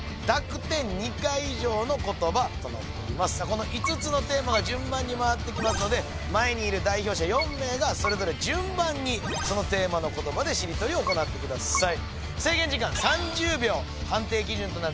この５つのテーマが順番に回ってきますので前にいる代表者４名がそれぞれ順番にそのテーマの言葉でしりとりを行ってください